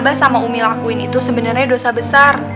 mbah sama umi lakuin itu sebenarnya dosa besar